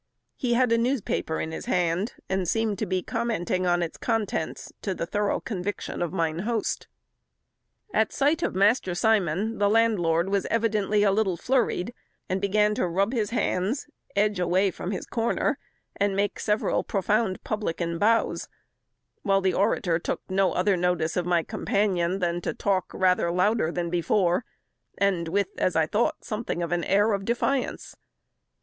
He had a newspaper in his hand, and seemed to be commenting on its contents, to the thorough conviction of mine host. At sight of Master Simon the landlord was evidently a little flurried, and began to rub his hands, edge away from his corner, and make several profound publican bows; while the orator took no other notice of my companion than to talk rather louder than before, and with, as I thought, something of an air of defiance.